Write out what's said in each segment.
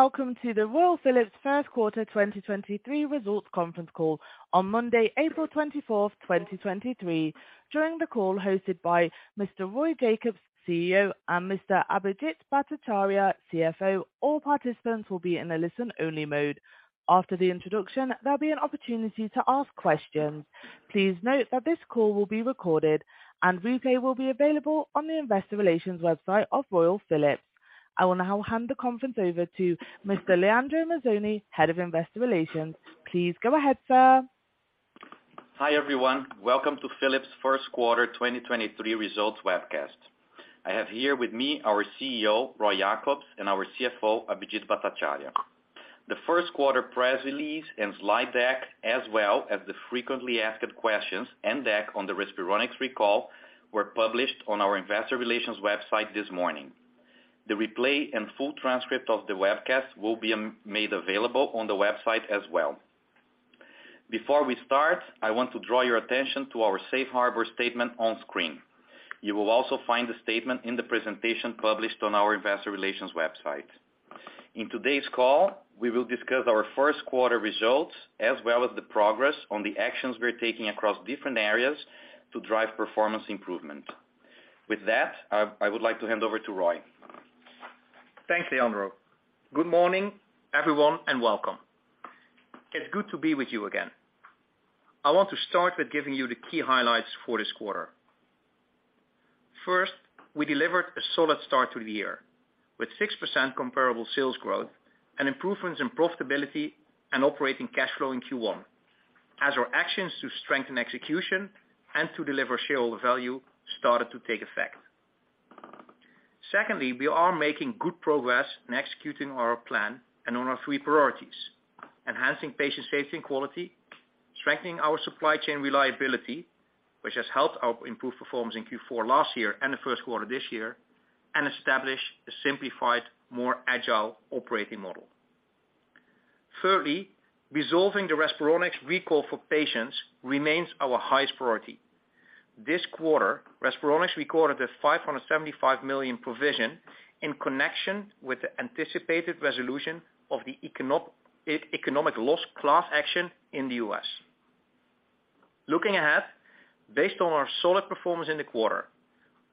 Welcome to the Royal Philips first quarter 2023 results conference call on Monday, April 24, 2023. During the call hosted by Mr. Roy Jakobs, CEO, and Mr. Abhijit Bhattacharya, CFO, all participants will be in a listen-only mode. After the introduction, there'll be an opportunity to ask questions. Please note that this call will be recorded and replay will be available on the investor relations website of Royal Philips. I will now hand the conference over to Mr. Leandro Mazzoni, Head of Investor Relations. Please go ahead, sir. Hi, everyone. Welcome to Philips first quarter 2023 results webcast. I have here with me our CEO, Roy Jakobs, and our CFO, Abhijit Bhattacharya. The first quarter press release and slide deck, as well as the frequently asked questions and deck on the Respironics recall, were published on our investor relations website this morning. The replay and full transcript of the webcast will be made available on the website as well. Before we start, I want to draw your attention to our safe harbor statement on screen. You will also find the statement in the presentation published on our investor relations website. In today's call, we will discuss our first quarter results as well as the progress on the actions we're taking across different areas to drive performance improvement. With that, I would like to hand over to Roy. Thanks, Leandro. Good morning, everyone, welcome. It's good to be with you again. I want to start with giving you the key highlights for this quarter. First, we delivered a solid start to the year, with 6% comparable sales growth and improvements in profitability and operating cash flow in Q1, as our actions to strengthen execution and to deliver shareholder value started to take effect. Secondly, we are making good progress in executing our plan and on our three priorities: enhancing patient safety and quality, strengthening our supply chain reliability, which has helped our improved performance in Q4 last year and the first quarter this year, and establish a simplified, more agile operating model. Thirdly, resolving the Respironics recall for patients remains our highest priority. This quarter, Respironics recorded a 575 million provision in connection with the anticipated resolution of the economic loss class action in the US. Looking ahead, based on our solid performance in the quarter,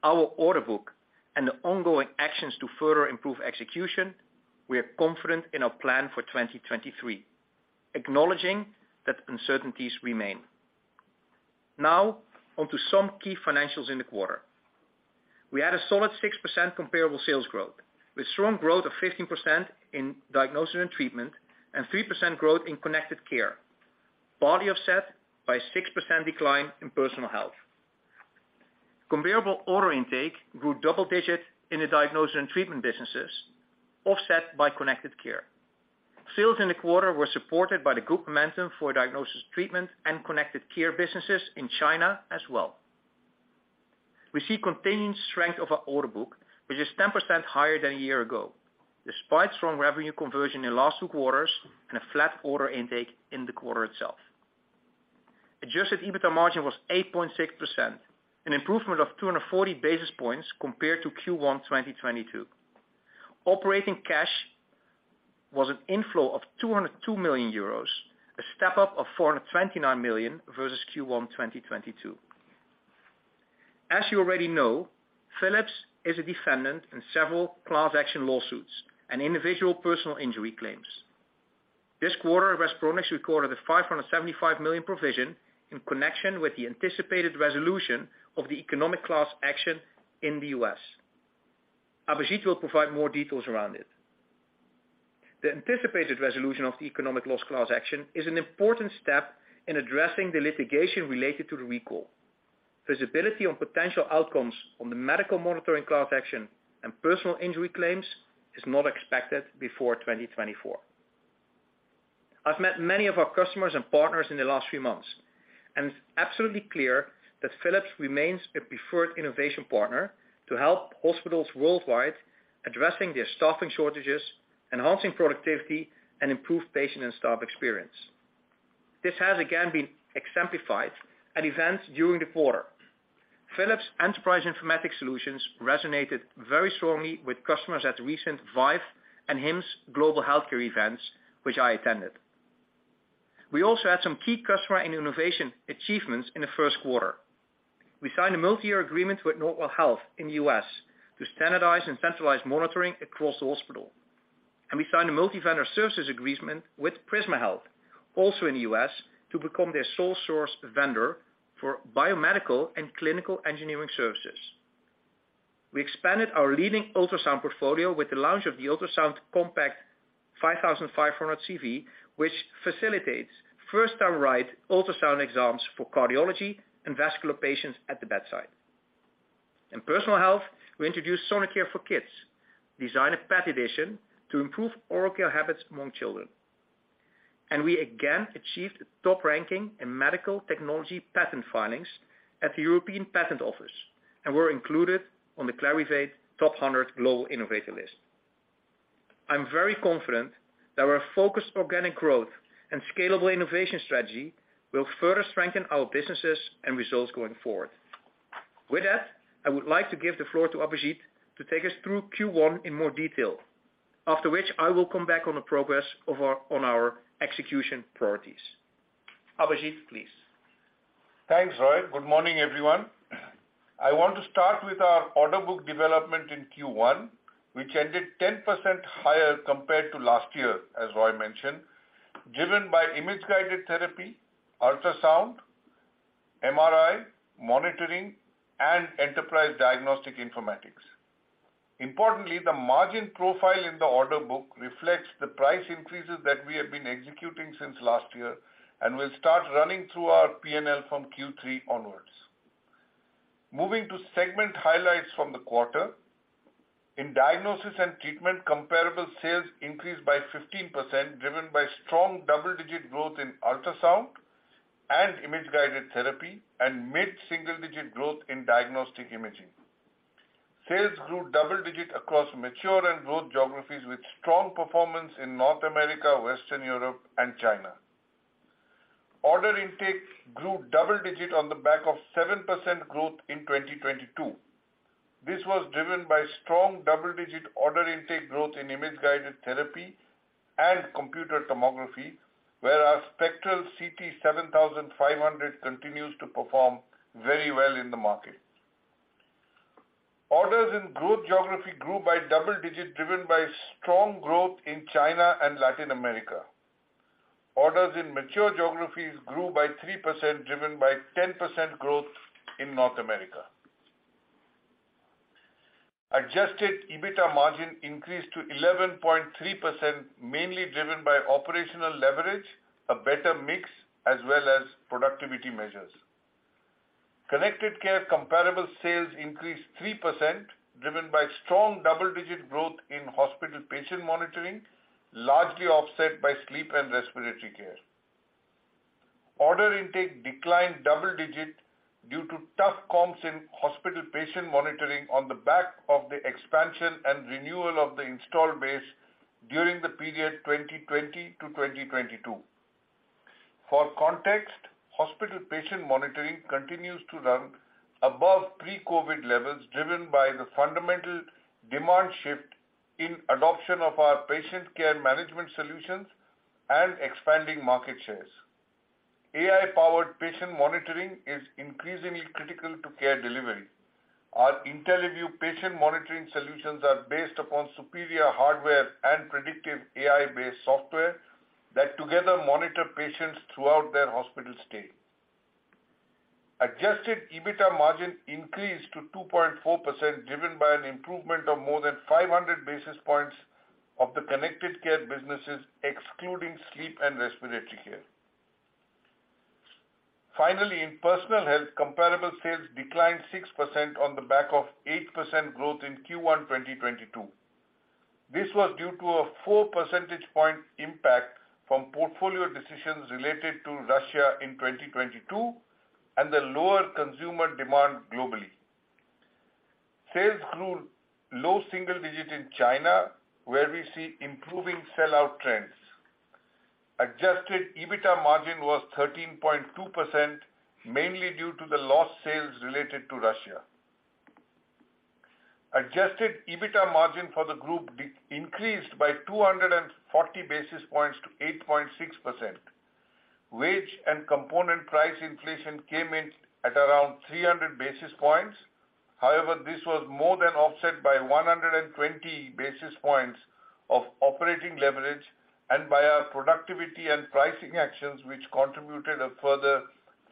our order book and the ongoing actions to further improve execution, we are confident in our plan for 2023, acknowledging that uncertainties remain. Onto some key financials in the quarter. We had a solid 6% comparable sales growth, with strong growth of 15% in Diagnosis & Treatment and 3% growth in Connected Care, partly offset by a 6% decline in Personal Health. Comparable order intake grew double digits in the Diagnosis & Treatment businesses, offset by Connected Care. Sales in the quarter were supported by the good momentum for Diagnosis & Treatment and Connected Care businesses in China as well. We see contained strength of our order book, which is 10% higher than a year ago, despite strong revenue conversion in last two quarters and a flat order intake in the quarter itself. Adjusted EBITDA margin was 8.6%, an improvement of 240 basis points compared to Q1 2022. Operating cash was an inflow of 202 million euros, a step up of 429 million versus Q1 2022. As you already know, Philips is a defendant in several class action lawsuits and individual personal injury claims. This quarter, Respironics recorded a 575 million provision in connection with the anticipated resolution of the economic loss class action in the US. Abhijit will provide more details around it. The anticipated resolution of the economic loss class action is an important step in addressing the litigation related to the recall. Visibility on potential outcomes on the medical monitoring class action and personal injury claims is not expected before 2024. I've met many of our customers and partners in the last few months, and it's absolutely clear that Philips remains a preferred innovation partner to help hospitals worldwide, addressing their staffing shortages, enhancing productivity, and improve patient and staff experience. This has again been exemplified at events during the quarter. Philips Enterprise Informatics Solutions resonated very strongly with customers at recent ViVE and HIMSS Global Healthcare events, which I attended. We also had some key customer and innovation achievements in the first quarter. We signed a multi-year agreement with Northwell Health in the U.S. to standardize and centralize monitoring across the hospital. We signed a multi-vendor services agreement with Prisma Health, also in the U.S., to become their sole source vendor for biomedical and clinical engineering services. We expanded our leading ultrasound portfolio with the launch of the Ultrasound Compact 5500 CV, which facilitates first-time right ultrasound exams for cardiology and vascular patients at the bedside. In Personal Health, we introduced Sonicare for Kids, Design a Pet Edition to improve oral care habits among children. We again achieved a top ranking in medical technology patent filings at the European Patent Office, and we're included on the Clarivate Top 100 Global Innovators list. I'm very confident that our focused organic growth and scalable innovation strategy will further strengthen our businesses and results going forward. With that, I would like to give the floor to Abhijit to take us through Q1 in more detail. After which I will come back on the progress on our execution priorities. Abhijit, please. Thanks, Roy. Good morning, everyone. I want to start with our order book development in Q1, which ended 10% higher compared to last year, as Roy mentioned, driven by Image-Guided Therapy, Ultrasound, MRI, monitoring, and Enterprise Diagnostic Informatics. The margin profile in the order book reflects the price increases that we have been executing since last year and will start running through our P&L from Q3 onwards. Moving to segment highlights from the quarter. In Diagnosis & Treatment, comparable sales increased by 15%, driven by strong double-digit growth in Ultrasound and Image-Guided Therapy and mid-single digit growth in diagnostic imaging. Sales grew double digit across mature and growth geographies with strong performance in North America, Western Europe, and China. Order intake grew double digit on the back of 7% growth in 2022. This was driven by strong double-digit order intake growth in Image-Guided Therapy and computer tomography, where our Spectral CT 7500 continues to perform very well in the market. Orders in growth geography grew by double-digit, driven by strong growth in China and Latin America. Orders in mature geographies grew by 3%, driven by 10% growth in North America. Adjusted EBITDA margin increased to 11.3%, mainly driven by operational leverage, a better mix, as well as productivity measures. Connected Care comparable sales increased 3%, driven by strong double-digit growth in hospital patient monitoring, largely offset by sleep and respiratory care. Order intake declined double-digit due to tough comps in hospital patient monitoring on the back of the expansion and renewal of the install base during the period 2020-2022. For context, hospital patient monitoring continues to run above pre-COVID levels, driven by the fundamental demand shift in adoption of our patient care management solutions and expanding market shares. AI-powered patient monitoring is increasingly critical to care delivery. Our IntelliVue patient monitoring solutions are based upon superior hardware and predictive AI-based software that together monitor patients throughout their hospital stay. Adjusted EBITDA margin increased to 2.4%, driven by an improvement of more than 500 basis points of the Connected Care businesses, excluding sleep and respiratory care. In Personal Health, comparable sales declined 6% on the back of 8% growth in Q1 2022. This was due to a 4 percentage point impact from portfolio decisions related to Russia in 2022 and the lower consumer demand globally. Sales grew low single digit in China, where we see improving sell-out trends. Adjusted EBITDA margin was 13.2%, mainly due to the lost sales related to Russia. Adjusted EBITDA margin for the group increased by 240 basis points to 8.6%. Wage and component price inflation came in at around 300 basis points. However, this was more than offset by 120 basis points of operating leverage and by our productivity and pricing actions, which contributed a further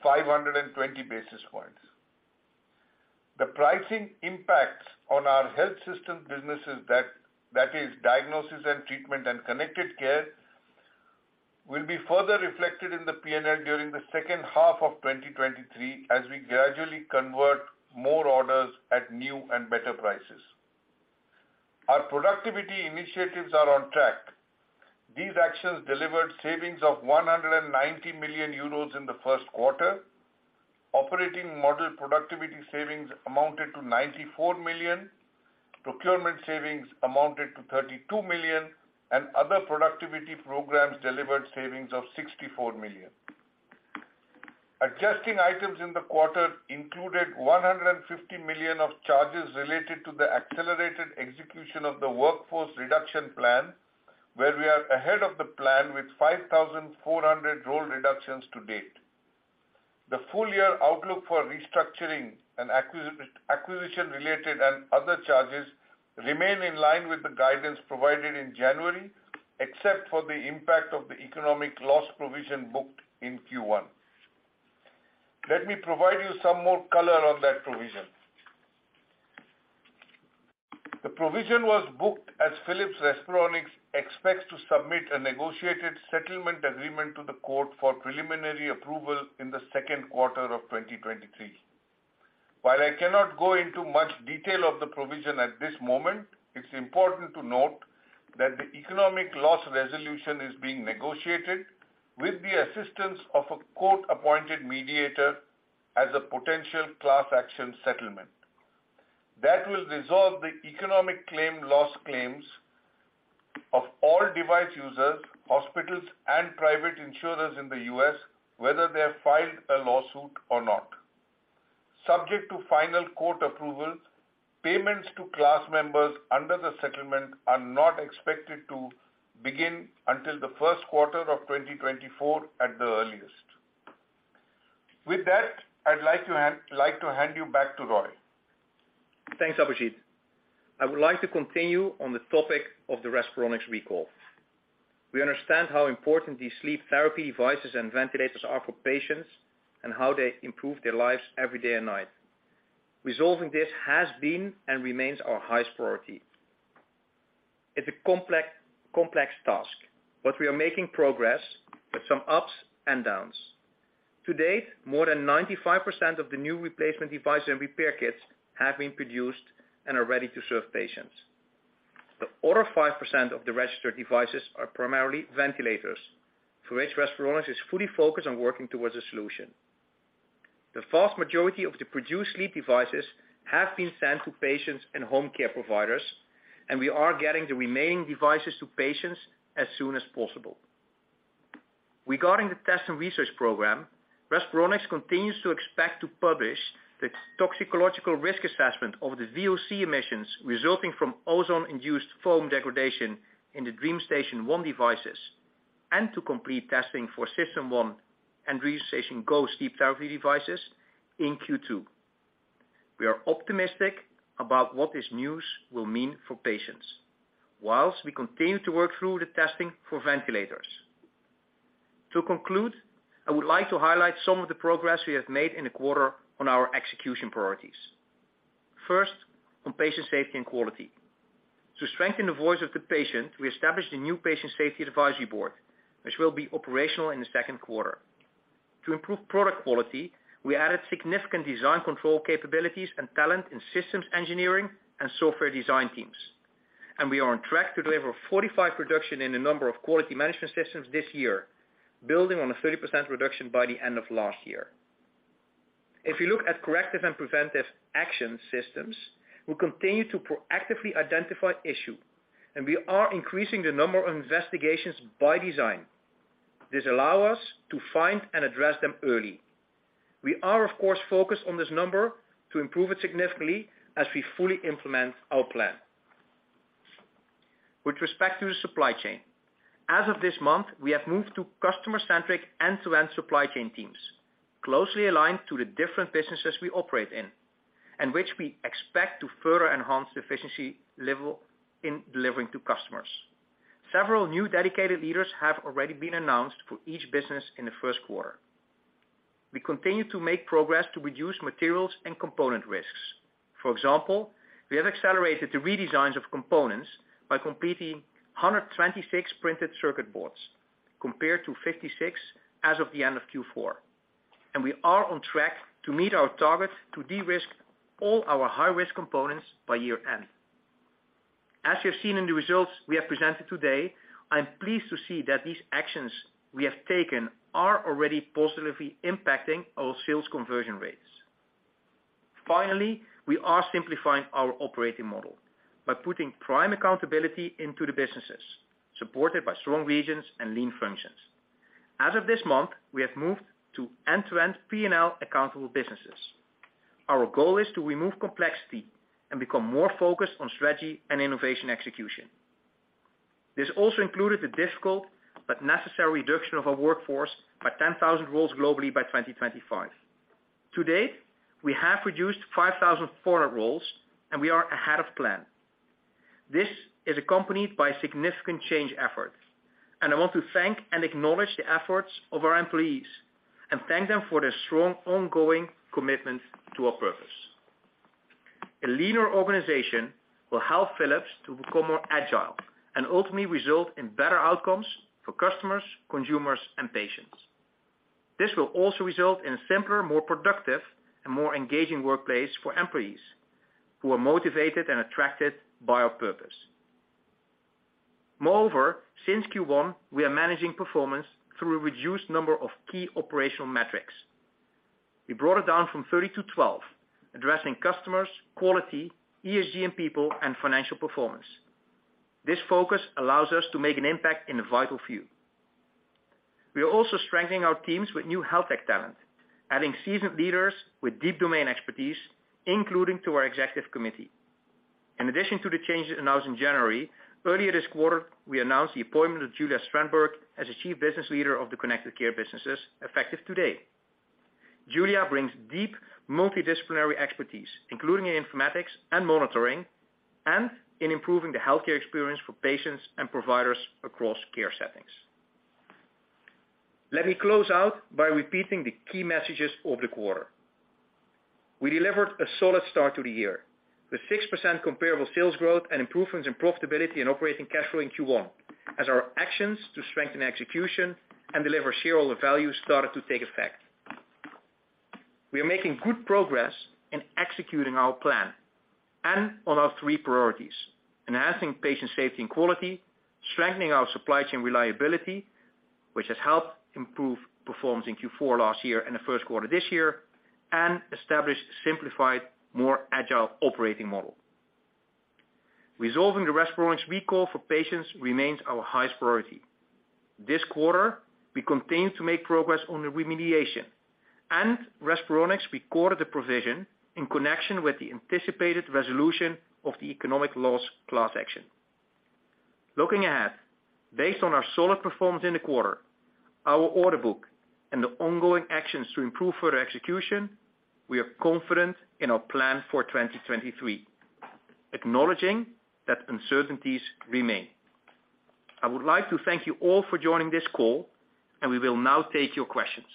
520 basis points. The pricing impacts on our health system businesses, that is Diagnosis & Treatment and Connected Care, will be further reflected in the P&L during the second half of 2023 as we gradually convert more orders at new and better prices. Our productivity initiatives are on track. These actions delivered savings of 190 million euros in the first quarter. Operating model productivity savings amounted to 94 million, procurement savings amounted to 32 million, and other productivity programs delivered savings of 64 million. Adjusting items in the quarter included 150 million of charges related to the accelerated execution of the workforce reduction plan, where we are ahead of the plan with 5,400 role reductions to date. The full year outlook for restructuring and acquisition-related and other charges remain in line with the guidance provided in January, except for the impact of the economic loss provision booked in Q1. Let me provide you some more color on that provision. The provision was booked as Philips Respironics expects to submit a negotiated settlement agreement to the court for preliminary approval in the second quarter of 2023. While I cannot go into much detail of the provision at this moment, it's important to note that the economic loss resolution is being negotiated with the assistance of a court-appointed mediator as a potential class action settlement. That will resolve the economic claim, loss claims-Of all device users, hospitals, and private insurers in the U.S., whether they have filed a lawsuit or not. Subject to final court approval, payments to class members under the settlement are not expected to begin until the first quarter of 2024 at the earliest. With that, I'd like to hand you back to Roy. Thanks, Abhijit. I would like to continue on the topic of the Respironics recall. We understand how important these sleep therapy devices and ventilators are for patients and how they improve their lives every day and night. Resolving this has been and remains our highest priority. It's a complex task, but we are making progress with some ups and downs. To date, more than 95% of the new replacement device and repair kits have been produced and are ready to serve patients. The other 5% of the registered devices are primarily ventilators, for which Respironics is fully focused on working towards a solution. The vast majority of the produced sleep devices have been sent to patients and home care providers, and we are getting the remaining devices to patients as soon as possible. Regarding the test and research program, Respironics continues to expect to publish the toxicological risk assessment of the VOC emissions resulting from ozone-induced foam degradation in the DreamStation 1 devices and to complete testing for System One and DreamStation Go sleep therapy devices in Q2. We are optimistic about what this news will mean for patients while we continue to work through the testing for ventilators. To conclude, I would like to highlight some of the progress we have made in the quarter on our execution priorities. First, on patient safety and quality. To strengthen the voice of the patient, we established a new Patient Safety Advisory Board, which will be operational in the second quarter. To improve product quality, we added significant design control capabilities and talent in systems engineering and software design teams, and we are on track to deliver 45 production in a number of quality management systems this year, building on a 30% reduction by the end of last year. If you look at Corrective and Preventive Action systems, we continue to proactively identify issue, and we are increasing the number of investigations by design. This allow us to find and address them early. We are, of course, focused on this number to improve it significantly as we fully implement our plan. With respect to the supply chain, as of this month, we have moved to customer-centric end-to-end supply chain teams, closely aligned to the different businesses we operate in, and which we expect to further enhance the efficiency level in delivering to customers. Several new dedicated leaders have already been announced for each business in the first quarter. We continue to make progress to reduce materials and component risks. For example, we have accelerated the redesigns of components by completing 126 printed circuit boards compared to 56 as of the end of Q4. We are on track to meet our target to de-risk all our high-risk components by year end. As you have seen in the results we have presented today, I am pleased to see that these actions we have taken are already positively impacting our sales conversion rates. Finally, we are simplifying our operating model by putting prime accountability into the businesses, supported by strong regions and lean functions. As of this month, we have moved to end-to-end P&L accountable businesses. Our goal is to remove complexity and become more focused on strategy and innovation execution. This also included the difficult but necessary reduction of our workforce by 10,000 roles globally by 2025. To date, we have reduced 5,004 roles and we are ahead of plan. This is accompanied by significant change efforts. I want to thank and acknowledge the efforts of our employees and thank them for their strong ongoing commitment to our purpose. A leaner organization will help Philips to become more agile and ultimately result in better outcomes for customers, consumers, and patients. This will also result in a simpler, more productive, and more engaging workplace for employees who are motivated and attracted by our purpose. Moreover, since Q1, we are managing performance through a reduced number of key operational metrics. We brought it down from 30 to 12, addressing customers, quality, ESG and people, and financial performance. This focus allows us to make an impact in the vital few. We are also strengthening our teams with new health tech talent, adding seasoned leaders with deep domain expertise, including to our executive committee. In addition to the changes announced in January, earlier this quarter, we announced the appointment of Julia Strandberg as the Chief Business Leader of the Connected Care businesses, effective today. Julia brings deep multidisciplinary expertise, including in informatics and monitoring and in improving the healthcare experience for patients and providers across care settings. Let me close out by repeating the key messages of the quarter. We delivered a solid start to the year with 6% comparable sales growth and improvements in profitability and operating cash flow in Q1 as our actions to strengthen execution and deliver shareholder value started to take effect. We are making good progress in executing our plan and on our three priorities: enhancing patient safety and quality, strengthening our supply chain reliability. Which has helped improve performance in Q4 last year and the first quarter this year, and established simplified, more agile operating model. Resolving the Respironics recall for patients remains our highest priority. This quarter, we continue to make progress on the remediation and Respironics recorded the provision in connection with the anticipated resolution of the economic loss class action. Looking ahead, based on our solid performance in the quarter, our order book and the ongoing actions to improve further execution, we are confident in our plan for 2023, acknowledging that uncertainties remain. I would like to thank you all for joining this call. We will now take your questions.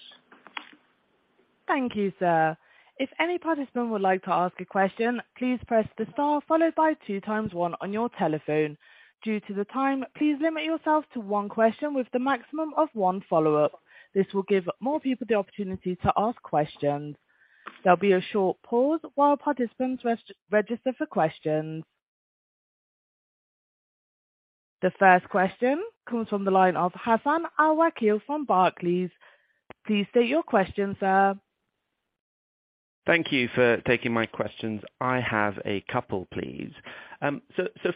Thank you, sir. If any participant would like to ask a question, please press the star followed by two times one on your telephone. Due to the time, please limit yourself to one question with a maximum of one follow-up. This will give more people the opportunity to ask questions. There'll be a short pause while participants register for questions. The first question comes from the line of Hasan Al-Wakeel from Barclays. Please state your question, sir. Thank you for taking my questions. I have a couple, please.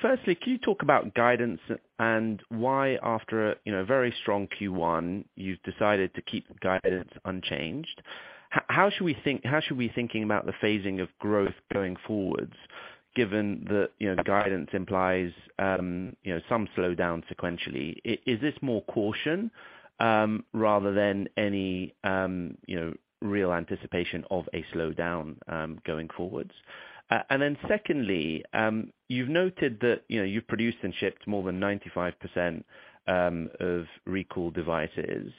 Firstly, can you talk about guidance and why after a, you know, very strong Q1 you've decided to keep guidance unchanged? How should we thinking about the phasing of growth going forwards, given that, you know, the guidance implies, you know, some slowdown sequentially? Is this more caution, rather than any, you know, real anticipation of a slowdown, going forwards? And then secondly, you've noted that, you know, you've produced and shipped more than 95% of recall devices.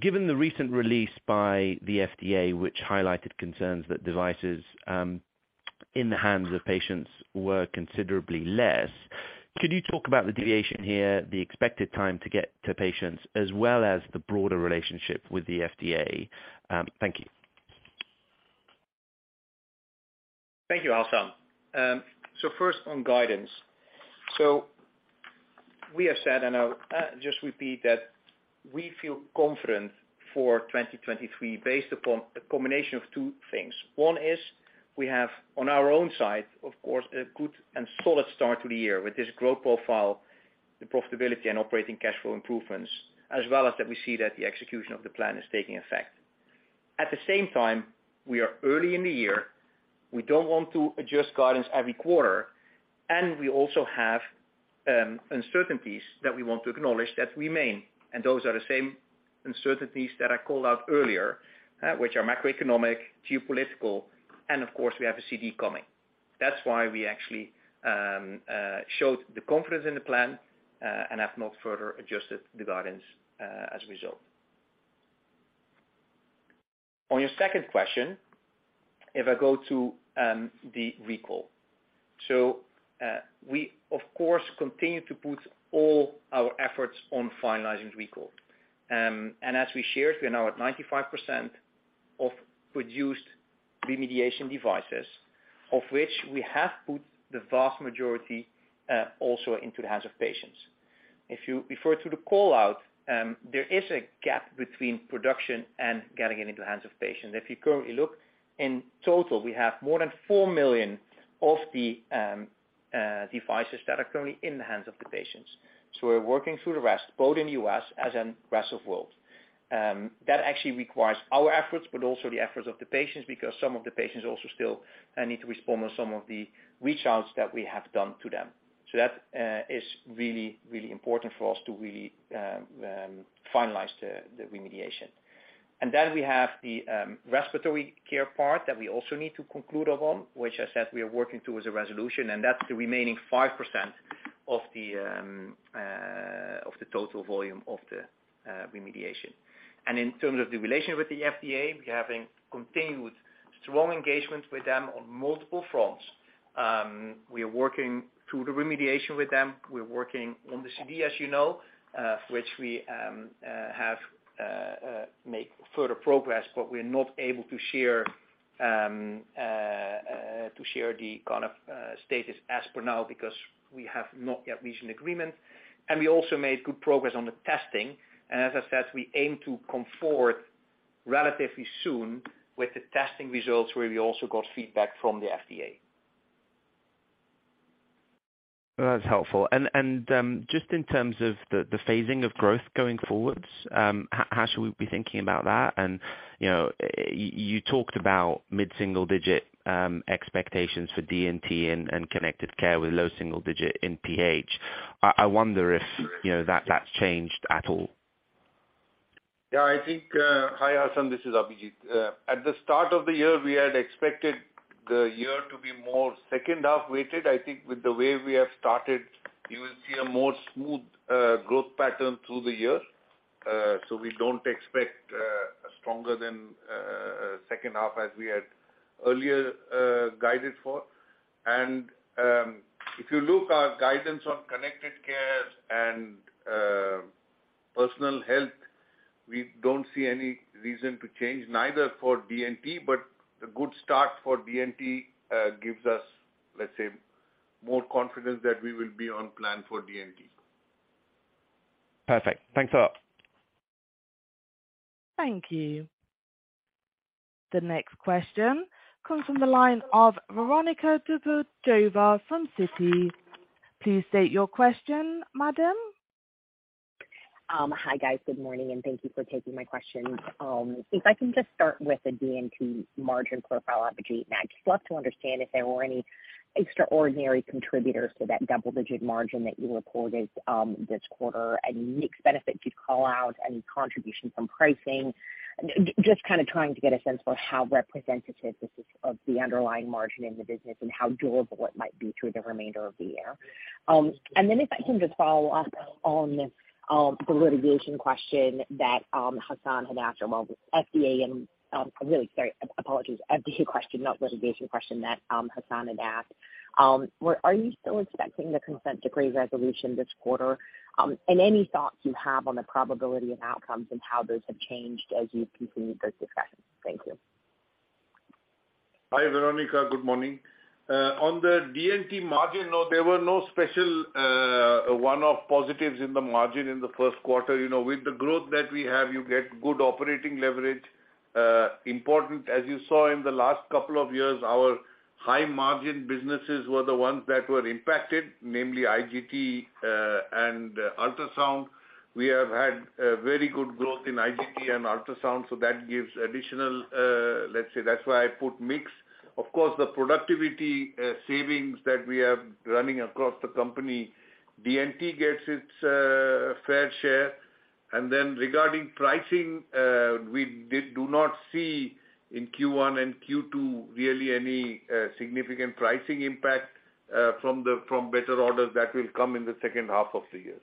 Given the recent release by the FDA, which highlighted concerns that devices, in the hands of patients were considerably less, could you talk about the deviation here, the expected time to get to patients as well as the broader relationship with the FDA? Thank you. Thank you, Hasan. First on guidance. We have said, and I'll just repeat that we feel confident for 2023 based upon a combination of two things. One is we have, on our own side, of course, a good and solid start to the year with this growth profile, the profitability and operating cash flow improvements, as well as that we see that the execution of the plan is taking effect. At the same time, we are early in the year, we don't want to adjust guidance every quarter, and we also have uncertainties that we want to acknowledge that remain. Those are the same uncertainties that I called out earlier, which are macroeconomic, geopolitical, and of course we have a CD coming. That's why we actually showed the confidence in the plan and have not further adjusted the guidance as a result. On your second question, if I go to the recall. We of course continue to put all our efforts on finalizing the recall. As we shared, we are now at 95% of produced remediation devices, of which we have put the vast majority also into the hands of patients. If you refer to the call out, there is a gap between production and getting it into the hands of patients. If you currently look, in total, we have more than 4 million of the devices that are currently in the hands of the patients. We're working through the rest, both in the U.S. as in rest of world. That actually requires our efforts, but also the efforts of the patients because some of the patients also still need to respond on some of the reach outs that we have done to them. That is really, really important for us to really finalize the remediation. We have the respiratory care part that we also need to conclude upon, which I said we are working towards a resolution, and that's the remaining 5% of the total volume of the remediation. In terms of the relation with the FDA, we're having continued strong engagement with them on multiple fronts. We are working through the remediation with them. We're working on the CD, as you know, which we have make further progress, but we're not able to share the kind of status as per now because we have not yet reached an agreement. We also made good progress on the testing. As I said, we aim to come forward relatively soon with the testing results where we also got feedback from the FDA. That's helpful. Just in terms of the phasing of growth going forwards, how should we be thinking about that? You know, you talked about mid-single-digit expectations for D&T and Connected Care with low-single-digit in PH. I wonder if, you know, that's changed at all. Yeah, I think. Hi, Hasan, this is Abhijit. At the start of the year, we had expected the year to be more second half weighted. I think with the way we have started, you will see a more smooth growth pattern through the year. We don't expect stronger than second half as we had earlier guided for. If you look our guidance on Connected Care and Personal Health. We don't see any reason to change neither for D&T, but the good start for D&T gives us, let's say, more confidence that we will be on plan for D&T. Perfect. Thanks a lot. Thank you. The next question comes from the line of Veronika Dubajova from Citi. Please state your question, madam. Hi, guys. Good morning, and thank you for taking my question. If I can just start with the D&T margin profile, Abhijit. I'd just love to understand if there were any extraordinary contributors to that double-digit margin that you reported this quarter. Any mix benefit you'd call out, any contribution from pricing. Just kinda trying to get a sense for how representative this is of the underlying margin in the business and how durable it might be through the remainder of the year. Then if I can just follow up on the litigation question that Hasan had asked earlier. Well, FDA and... Really, sorry. Apologies. FDA question, not litigation question, that Hasan had asked. Are you still expecting the consent decree resolution this quarter? Any thoughts you have on the probability of outcomes and how those have changed as you've continued those discussions? Thank you. Hi, Veronika. Good morning. On the D&T margin, no, there were no special one-off positives in the margin in the first quarter. You know, with the growth that we have, you get good operating leverage. Important, as you saw in the last couple of years, our high-margin businesses were the ones that were impacted, namely IGT and ultrasound. We have had very good growth in IGT and ultrasound, so that gives additional. Let's say that's why I put mix. Of course, the productivity savings that we have running across the company, D&T gets its fair share. Regarding pricing, we do not see in Q1 and Q2 really any significant pricing impact from better orders. That will come in the second half of the year.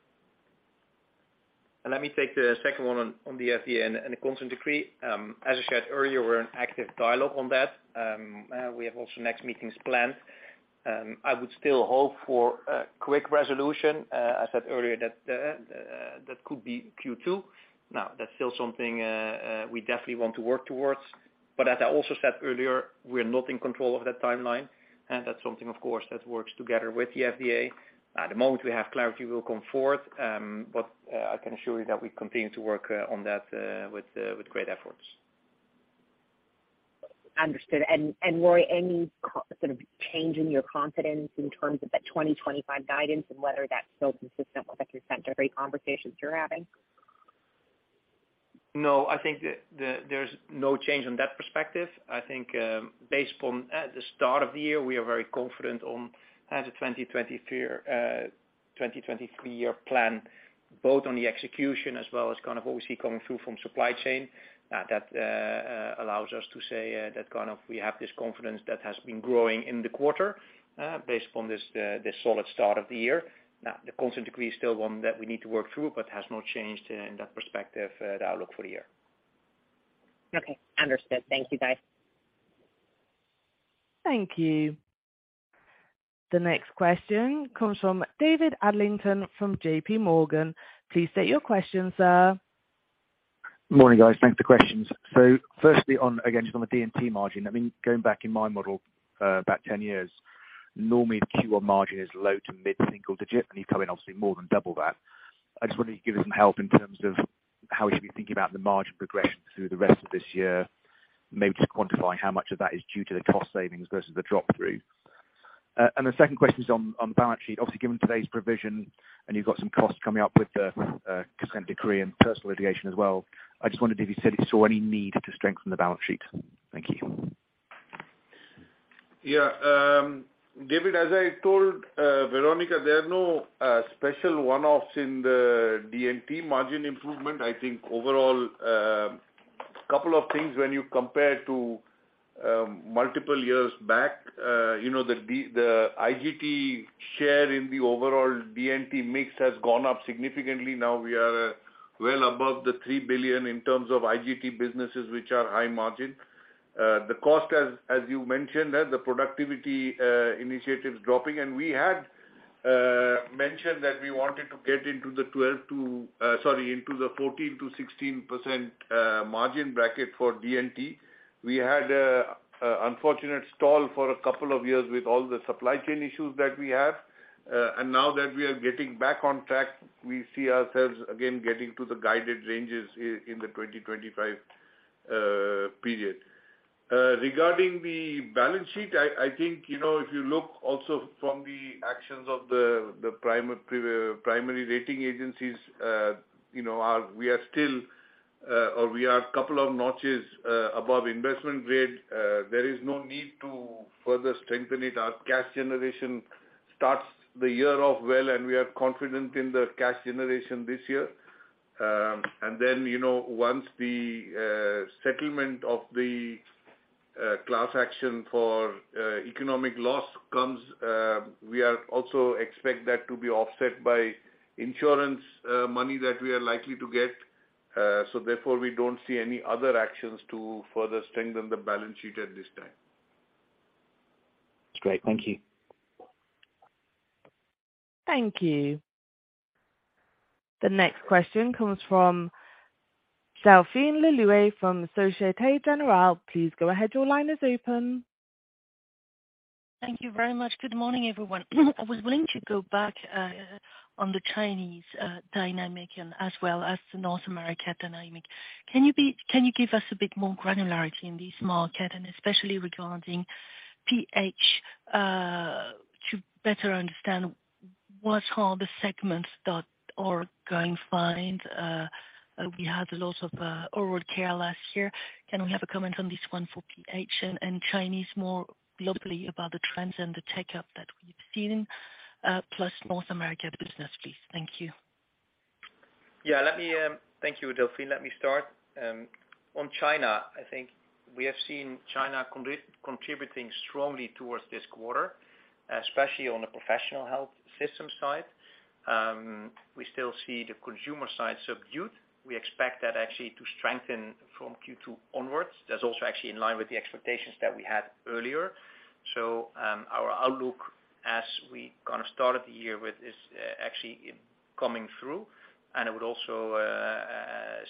Let me take the second one on the FDA and the consent decree. As I said earlier, we're in active dialogue on that. We have also next meetings planned. I would still hope for a quick resolution. I said earlier that that could be Q2. That's still something we definitely want to work towards. As I also said earlier, we're not in control of that timeline. That's something, of course, that works together with the FDA. At the moment we have clarity, we will come forth. I can assure you that we continue to work on that with great efforts. Understood. Roy, any sort of change in your confidence in terms of that 2025 guidance and whether that's still consistent with the consent decree conversations you're having? No, I think there's no change on that perspective. I think, based on the start of the year, we are very confident on as a 2023 year, 2023-year plan, both on the execution as well as kind of what we see coming through from supply chain. That allows us to say that kind of we have this confidence that has been growing in the quarter, based upon this solid start of the year. Now, the consent decree is still one that we need to work through but has not changed in that perspective, the outlook for the year. Okay. Understood. Thank you, guys. Thank you. The next question comes from David Adlington from J.P. Morgan. Please state your question, sir. Morning, guys. Thanks for the questions. Firstly on, again, just on the D&T margin. I mean, going back in my model, about 10 years, normally the Q1 margin is low to mid-single digit, and you've come in obviously more than double that. I just wonder if you could give us some help in terms of how we should be thinking about the margin progression through the rest of this year, maybe just quantifying how much of that is due to the cost savings versus the drop-through. The second question is on the balance sheet. Obviously, given today's provision, and you've got some costs coming up with the consent decree and personal litigation as well, I just wondered if you said you saw any need to strengthen the balance sheet. Thank you. David, as I told Veronika, there are no special one-offs in the D&T margin improvement. I think overall, couple of things when you compare to multiple years back. You know, the IGT share in the overall D&T mix has gone up significantly. Now we are well above 3 billion in terms of IGT businesses which are high margin. The cost, as you mentioned, the productivity initiatives dropping. We had mentioned that we wanted to get into the 12 to, sorry, into the 14%-16% margin bracket for D&T. We had unfortunate stall for a couple of years with all the supply chain issues that we have. Now that we are getting back on track, we see ourselves again getting to the guided ranges in the 2025 period. Regarding the balance sheet, I think, you know, if you look also from the actions of the primary rating agencies, you know, we are still or we are a couple of notches above investment grade. There is no need to further strengthen it. Our cash generation starts the year off well, and we are confident in the cash generation this year. You know, once the settlement of the economic loss class action comes, we are also expect that to be offset by insurance money that we are likely to get. Therefore, we don't see any other actions to further strengthen the balance sheet at this time. Great. Thank you. Thank you. The next question comes from Delphine Le Louet from Société Générale. Please go ahead. Your line is open. Thank you very much. Good morning, everyone. I was willing to go back on the Chinese dynamic and as well as the North America dynamic. Can you give us a bit more granularity in this market and especially regarding PH, to better understand what are the segments that are going fine? We had a lot of oral care last year. Can we have a comment on this one for PH and Chinese more locally about the trends and the take-up that we've seen, plus North America business, please. Thank you. Yeah, let me. Thank you, Delphine. Let me start on China. I think we have seen China contributing strongly towards this quarter, especially on the professional health system side. We still see the consumer side subdued. We expect that actually to strengthen from Q2 onwards. That's also actually in line with the expectations that we had earlier. Our outlook as we kind of started the year with is actually coming through. I would also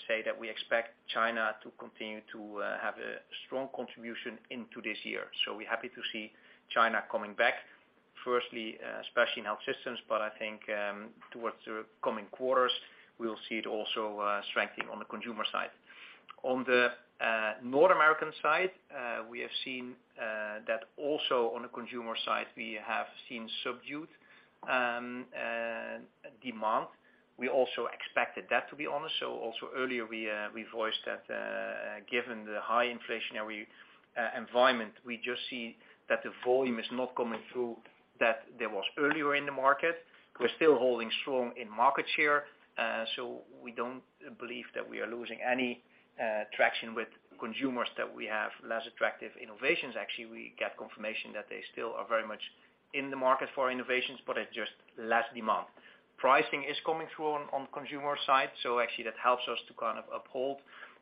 say that we expect China to continue to have a strong contribution into this year. We're happy to see China coming back, firstly, especially in health systems. I think, towards the coming quarters, we'll see it also strengthening on the consumer side. On the North American side, we have seen that also on the consumer side, we have seen subdued demand. We also expected that, to be honest. Also earlier, we voiced that, given the high inflationary environment, we just see that the volume is not coming through, that there was earlier in the market. We're still holding strong in market share, we don't believe that we are losing any traction with consumers, that we have less attractive innovations. Actually, we get confirmation that they still are very much in the market for innovations, but it's just less demand. Pricing is coming through on consumer side, actually that helps us to kind of uphold.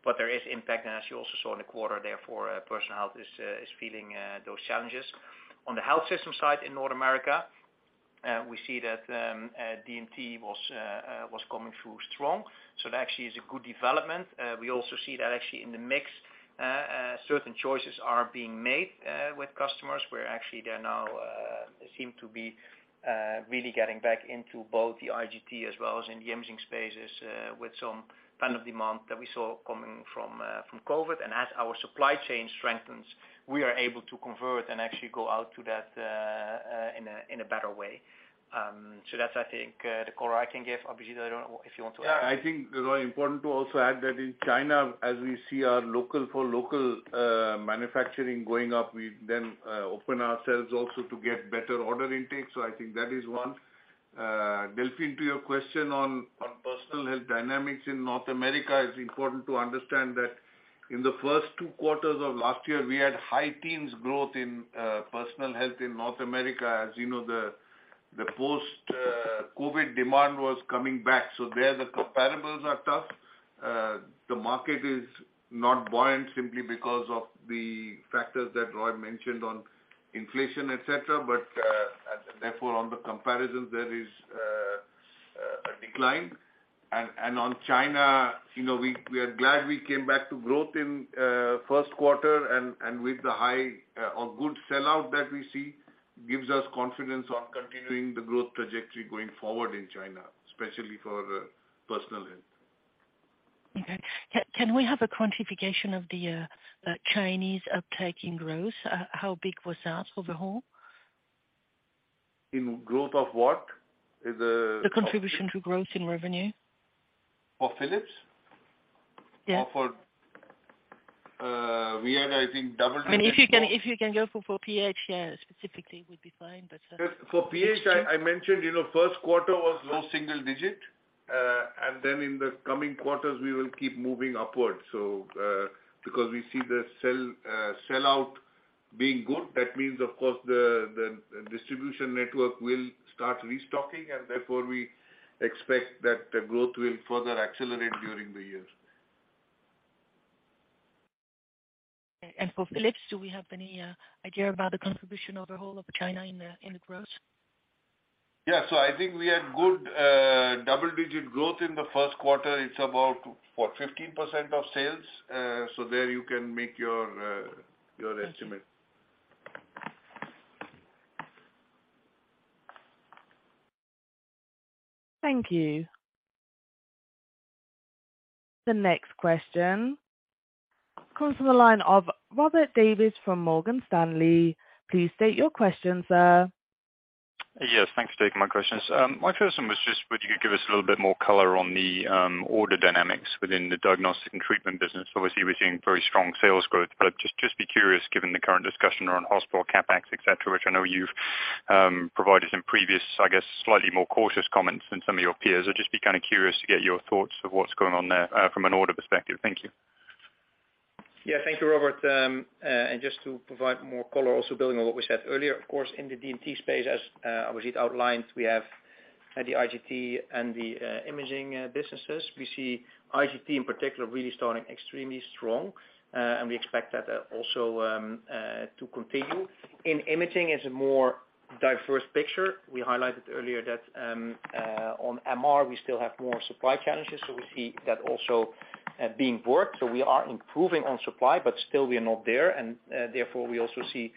There is impact, and as you also saw in the quarter, therefore, Personal Health is feeling those challenges. On the health system side in North America, we see that D&T was coming through strong, so that actually is a good development. We also see that actually in the mix, certain choices are being made with customers, where actually they're now seem to be really getting back into both the IGT as well as in the imaging spaces, with some pent-up demand that we saw coming from COVID. As our supply chain strengthens, we are able to convert and actually go out to that in a better way. That's, I think, the color I can give. Abhijit, I don't know if you want to add. I think, Roy, important to also add that in China, as we see our local for local manufacturing going up, we then open ourselves also to get better order intake. I think that is one. Delphine, to your question on Personal Health dynamics in North America, it's important to understand that in the first two quarters of last year, we had high teens growth in Personal Health in North America. As you know, the post-COVID demand was coming back. There the comparables are tough. The market is not buoyant simply because of the factors that Roy mentioned on inflation, et cetera. Therefore on the comparisons, there is a decline. On China, you know, we are glad we came back to growth in first quarter. With the high or good sell-out that we see, gives us confidence on continuing the growth trajectory going forward in China, especially for Personal Health. Okay. Can we have a quantification of the Chinese uptaking growth? How big was that overall? In growth of what? The contribution to growth in revenue. Of Philips? Yeah. We are, I think, double digits. I mean, if you can go for PH, yeah, specifically would be fine. For PH, I mentioned, you know, first quarter was low single digit. In the coming quarters we will keep moving upwards. Because we see the sell-out being good, that means of course the distribution network will start restocking, therefore we expect that the growth will further accelerate during the year. For Philips, do we have any idea about the contribution overall of China in the, in the growth? Yeah. I think we had good double-digit growth in the first quarter. It's about what? 15% of sales. There you can make your estimate. Thank you. Thank you. The next question comes from the line of Robert Davies from Morgan Stanley. Please state your question, sir. Yes, thanks for taking my questions. My first one was just would you give us a little bit more color on the order dynamics within the Diagnosis & Treatment business? Obviously, we're seeing very strong sales growth, just be curious, given the current discussion around hospital CapEx, et cetera, which I know you've provided some previous, I guess, slightly more cautious comments than some of your peers. I'd just be kind of curious to get your thoughts of what's going on there from an order perspective. Thank you. Thank you, Robert. Just to provide more color, also building on what we said earlier, of course, in the D&T space, as Abhijit outlined, we have the IGT and the imaging businesses. We see IGT in particular really starting extremely strong. We expect that also to continue. In imaging is a more diverse picture. We highlighted earlier that on MR we still have more supply challenges, we see that also being worked. We are improving on supply, still we are not there. Therefore, we also see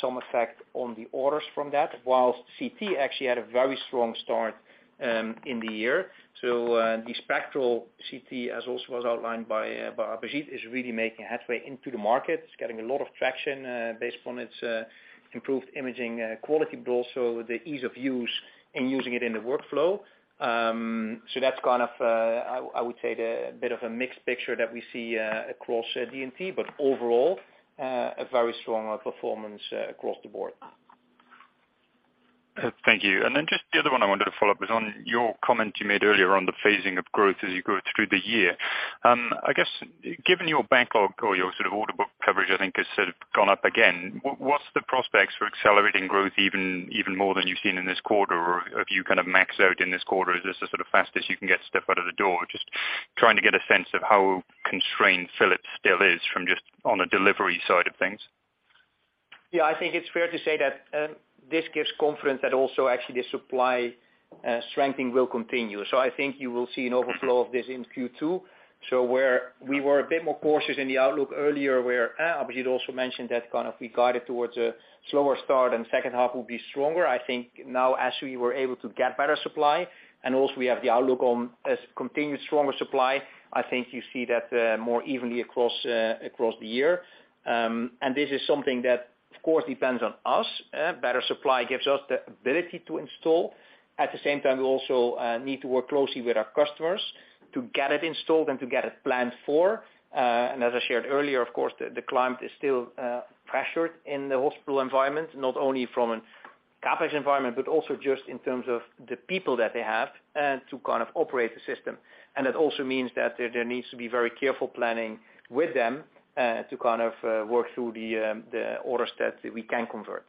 some effect on the orders from that, whilst CT actually had a very strong start in the year. The Spectral CT, as also was outlined by Abhijit, is really making headway into the market. It's getting a lot of traction, based on its improved imaging, quality, but also the ease of use in using it in the workflow. That's kind of, I would say the bit of a mixed picture that we see, across, DNT, but overall, a very strong, performance, across the board. Thank you. Just the other one I wanted to follow up is on your comment you made earlier on the phasing of growth as you go through the year. I guess, given your backlog or your sort of order book coverage, I think has sort of gone up again, what's the prospects for accelerating growth even more than you've seen in this quarter? Or have you kind of maxed out in this quarter? Is this the sort of fastest you can get stuff out of the door? Just trying to get a sense of how constrained Philips still is from just on the delivery side of things. Yeah, I think it's fair to say that, this gives confidence that also actually the supply, strengthening will continue. I think you will see an overflow of this in Q2. Where we were a bit more cautious in the outlook earlier, where Abhijit also mentioned that kind of we guided towards a slower start and second half will be stronger. I think now as we were able to get better supply and also we have the outlook on this continued stronger supply, I think you see that, more evenly across the year. This is something that of course depends on us. Better supply gives us the ability to install. At the same time, we also, need to work closely with our customers to get it installed and to get it planned for. As I shared earlier, of course the climate is still pressured in the hospital environment, not only from a CapEx environment, but also just in terms of the people that they have to kind of operate the system. It also means that there needs to be very careful planning with them to kind of work through the order sets that we can convert.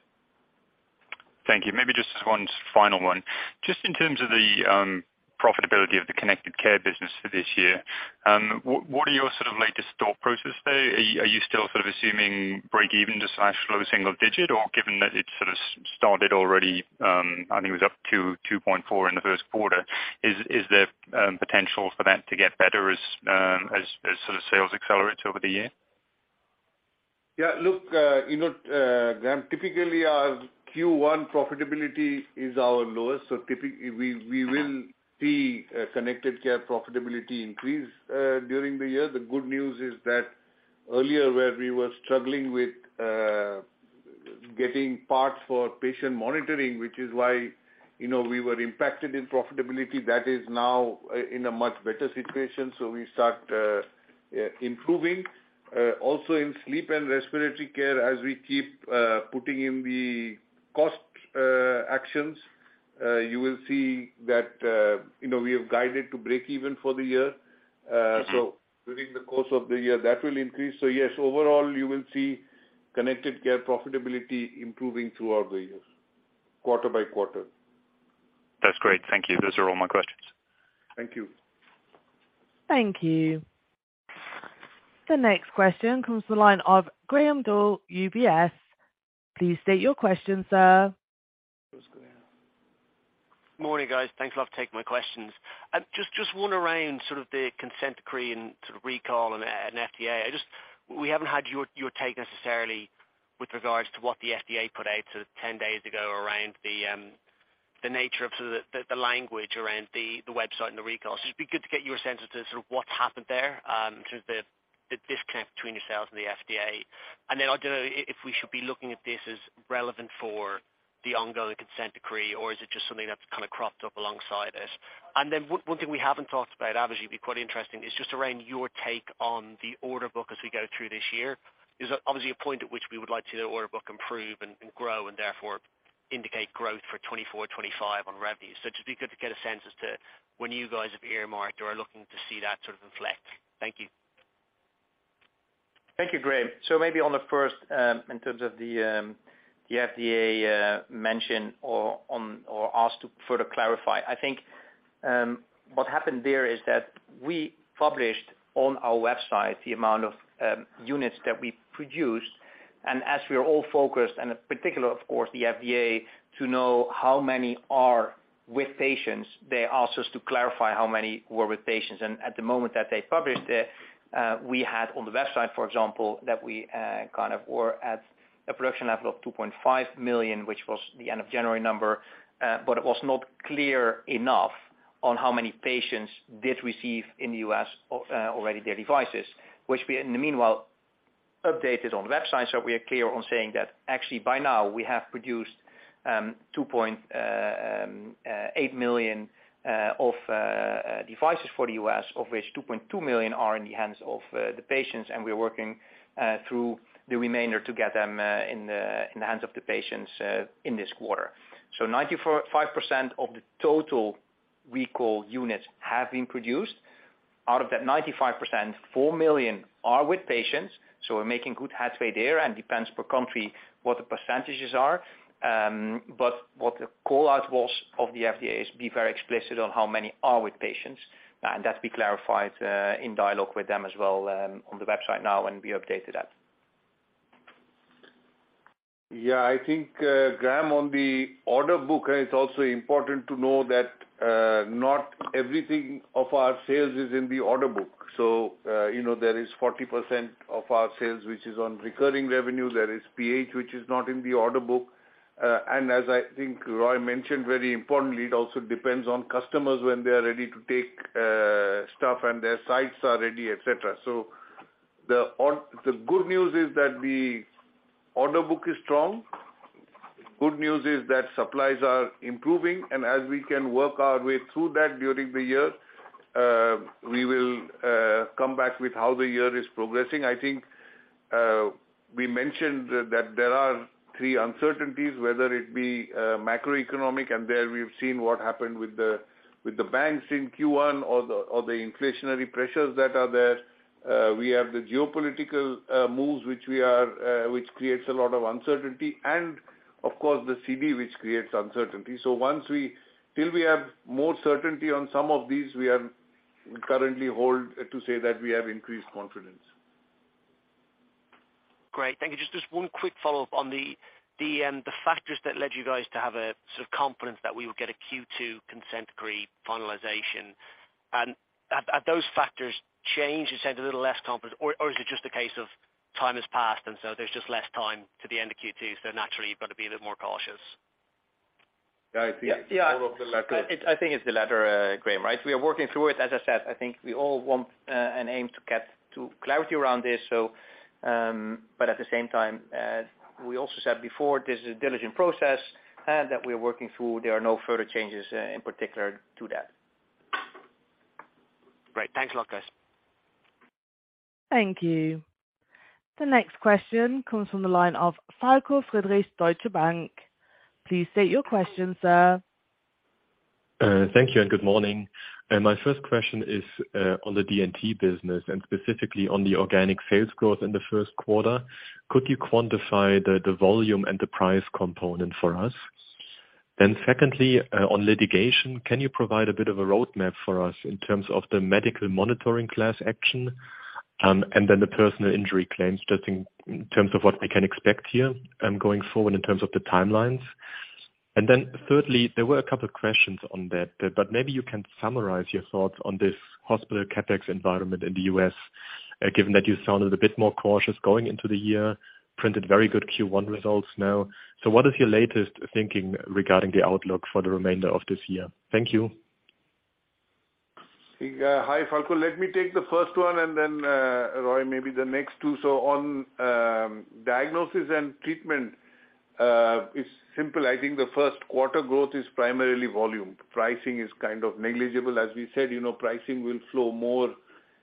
Thank you. Maybe just one final one. Just in terms of the profitability of the Connected Care business for this year, what are your sort of latest thought process there? Are you still sort of assuming break even to slash low single digit? Or given that it sort of started already, I think it was up to 2.4% in the first quarter, is there potential for that to get better as sort of sales accelerates over the year? Look, you know, Graham, typically our Q1 profitability is our lowest. We will see Connected Care profitability increase during the year. The good news is that earlier where we were struggling with getting parts for patient monitoring, which is why, you know, we were impacted in profitability, that is now in a much better situation, we start improving. Also in sleep and respiratory care as we keep putting in the cost actions, you will see that, you know, we have guided to break even for the year. During the course of the year, that will increase. Yes, overall, you will see Connected Care profitability improving throughout the year, quarter by quarter. That's great. Thank you. Those are all my questions. Thank you. Thank you. The next question comes to the line of Graham Doyle, UBS. Please state your question, sir. Good morning, guys. Thanks a lot for taking my questions. just one around sort of the consent decree and sort of recall and FDA. We haven't had your take necessarily with regards to what the FDA put out sort of 10 days ago around the nature of sort of the language around the website and the recalls. Just be good to get your sense as to sort of what's happened there in terms of the disconnect between yourselves and the FDA. I don't know if we should be looking at this as relevant for the ongoing consent decree, or is it just something that's kind of cropped up alongside it? One thing we haven't talked about, Abhijit, it'd be quite interesting, is just around your take on the order book as we go through this year. There's obviously a point at which we would like to see the order book improve and grow and therefore indicate growth for 2024, 2025 on revenue. Just be good to get a sense as to when you guys have earmarked or are looking to see that sort of inflect. Thank you. Thank you, Graham. Maybe on the first, in terms of the FDA mention or on, or ask to further clarify. I think, what happened there is that we published on our website the amount of units that we produced, and as we are all focused, and in particular of course, the FDA, to know how many are with patients, they asked us to clarify how many were with patients. At the moment that they published it, we had on the website, for example, that we kind of were at a production level of 2.5 million, which was the end of January number. It was not clear enough on how many patients did receive in the U.S. already their devices, which we in the meanwhile updated on the website, so we are clear on saying that actually by now we have produced, 2.8 million of devices for the U.S., of which 2.2 million are in the hands of the patients, and we're working through the remainder to get them in the hands of the patients in this quarter. 94.5% of the total recall units have been produced. Out of that 95%, 4 million are with patients, so we're making good headway there and depends per country what the percentages are. What the call out was of the FDA is be very explicit on how many are with patients, and that we clarified, in dialogue with them as well, on the website now and we updated that. Yeah, I think, Graham, on the order book, it's also important to know that not everything of our sales is in the order book. you know, there is 40% of our sales, which is on recurring revenue. There is PH, which is not in the order book. as I think Roy mentioned, very importantly, it also depends on customers when they are ready to take stuff and their sites are ready, et cetera. The good news is that the order book is strong. Good news is that supplies are improving, as we can work our way through that during the year, we will come back with how the year is progressing. I think, we mentioned that there are three uncertainties, whether it be, macroeconomic, and there we've seen what happened with the, with the banks in Q1 or the, or the inflationary pressures that are there. We have the geopolitical, moves, which creates a lot of uncertainty and of course, the CD, which creates uncertainty. Till we have more certainty on some of these, we are currently hold to say that we have increased confidence. Great. Thank you. Just one quick follow-up on the factors that led you guys to have a sort of confidence that we would get a Q2 consent decree finalization. Have those factors changed and said a little less confident or is it just a case of time has passed, there's just less time to the end of Q2, naturally, you've got to be a bit more cautious? Yeah, it's more of the latter. Yeah. I think it's the latter, Graham, right? We are working through it. As I said, I think we all want and aim to get to clarity around this. At the same time, we also said before, this is a diligent process that we're working through. There are no further changes in particular to that. Great. Thanks a lot, guys. Thank you. The next question comes from the line of Falko Friedrichs, Deutsche Bank. Please state your question, sir. Thank you and good morning. My first question is on the D&T business and specifically on the organic sales growth in the first quarter. Could you quantify the volume and the price component for us? Secondly, on litigation, can you provide a bit of a roadmap for us in terms of the medical monitoring class action, and then the personal injury claims, just in terms of what we can expect here, going forward in terms of the timelines? Thirdly, there were a couple of questions on that, but maybe you can summarize your thoughts on this hospital CapEx environment in the U.S., given that you sounded a bit more cautious going into the year, printed very good Q1 results now. What is your latest thinking regarding the outlook for the remainder of this year? Thank you. Hi, Falko. Let me take the first one and then Roy, maybe the next two. On Diagnosis & Treatment, it's simple. I think the first quarter growth is primarily volume. Pricing is kind of negligible. As we said, you know, pricing will flow more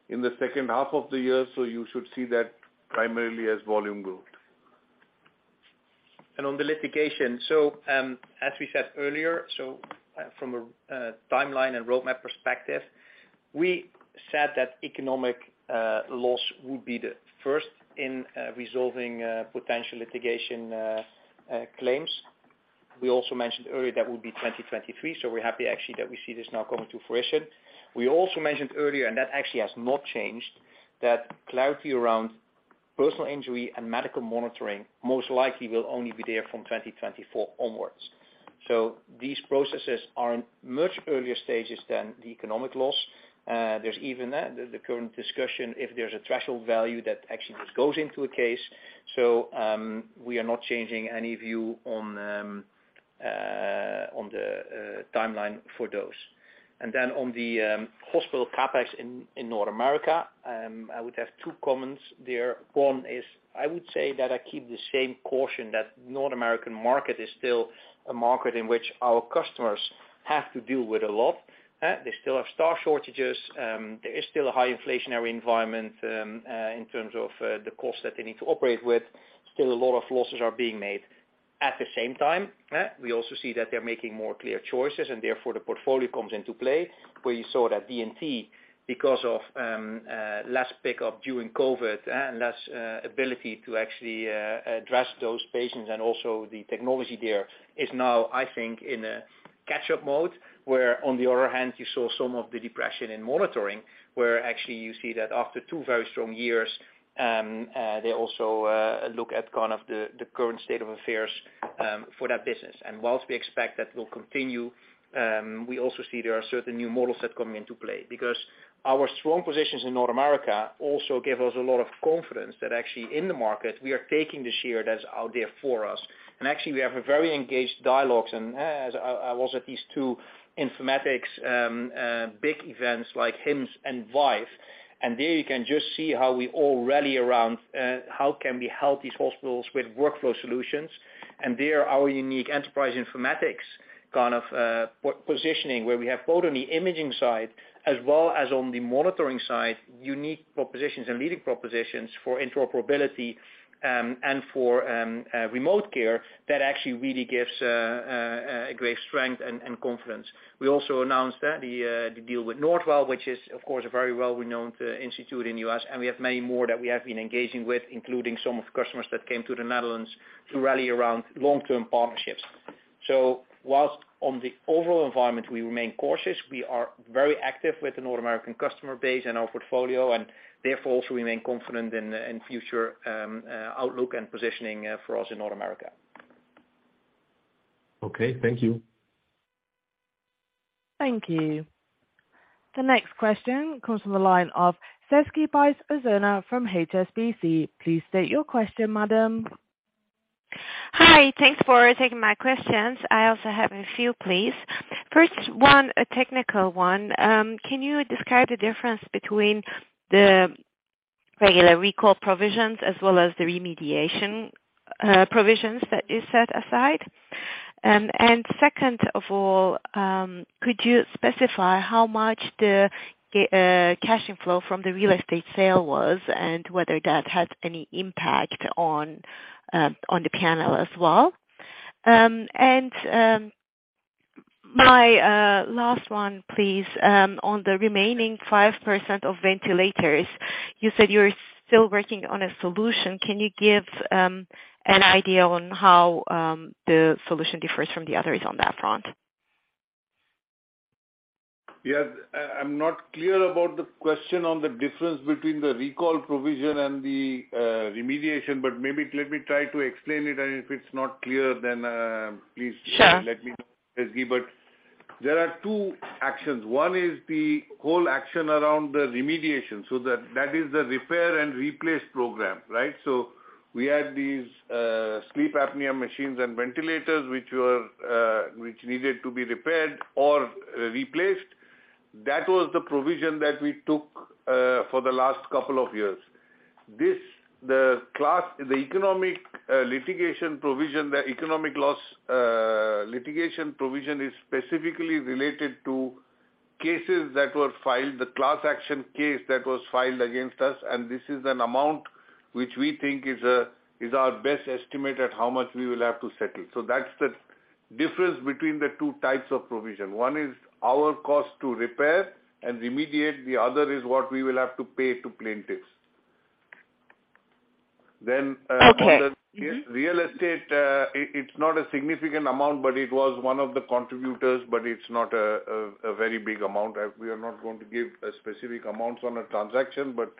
in the second half of the year, so you should see that primarily as volume growth. On the litigation. As we said earlier, from a timeline and roadmap perspective, we said that economic loss would be the first in resolving potential litigation claims. We also mentioned earlier, that would be 2023, so we're happy actually that we see this now coming to fruition. We also mentioned earlier, and that actually has not changed, that clarity around personal injury and medical monitoring most likely will only be there from 2024 onwards. These processes are in much earlier stages than the economic loss. There's even the current discussion if there's a threshold value that actually just goes into a case. We are not changing any view on the timeline for those. On the hospital CapEx in North America, I would have two comments there. One is, I would say that I keep the same caution that North American market is still a market in which our customers have to deal with a lot. They still have staff shortages, there is still a high inflationary environment in terms of the costs that they need to operate with. Still a lot of losses are being made. At the same time, we also see that they're making more clear choices, and therefore the portfolio comes into play. Where you saw that D&T because of less pick up during COVID, and less ability to actually address those patients and also the technology there is now, I think, in a catch-up mode. Where on the other hand, you saw some of the depression in monitoring, where actually you see that after two very strong years, they also look at kind of the current state of affairs for that business. Whilst we expect that will continue, we also see there are certain new models that come into play. Because our strong positions in North America also give us a lot of confidence that actually in the market, we are taking the share that's out there for us. Actually, we have a very engaged dialogues and as I was at these two informatics big events like HIMSS and ViVE, and there you can just see how we all rally around how can we help these hospitals with workflow solutions. There, our unique Enterprise Informatics kind of positioning, where we have both on the imaging side as well as on the monitoring side, unique propositions and leading propositions for interoperability, and for remote care that actually really gives a great strength and confidence. We also announced that the deal with Northwell, which is of course, a very well-renowned institute in U.S., and we have many more that we have been engaging with, including some of the customers that came to the Netherlands to rally around long-term partnerships. Whilst on the overall environment, we remain cautious, we are very active with the North American customer base and our portfolio and therefore also remain confident in future outlook and positioning for us in North America. Okay, thank you. Thank you. The next question comes from the line of Sezgi Bice Ozener from HSBC. Please state your question, madam. Hi. Thanks for taking my questions. I also have a few, please. First one, a technical one. Can you describe the difference between the regular recall provisions as well as the remediation provisions that you set aside? Second of all, could you specify how much the cash flow from the real estate sale was and whether that had any impact on the P&L as well? My last one, please, on the remaining 5% of ventilators, you said you're still working on a solution. Can you give an idea on how the solution differs from the others on that front? Yes. I'm not clear about the question on the difference between the recall provision and the remediation. Maybe let me try to explain it, and if it's not clear then. Sure... let me know, Sezgi. There are two actions. One is the whole action around the remediation, so that is the repair and replace program, right? We had these sleep apnea machines and ventilators which were which needed to be repaired or replaced. That was the provision that we took for the last couple of years. This, the class, the economic litigation provision, the economic loss litigation provision is specifically related to cases that were filed, the class action case that was filed against us, and this is an amount which we think is a, is our best estimate at how much we will have to settle, so that's the difference between the two types of provision. One is our cost to repair and remediate, the other is what we will have to pay to plaintiffs. Okay. The real estate, it's not a significant amount, but it was one of the contributors, but it's not a very big amount. We are not going to give specific amounts on a transaction, but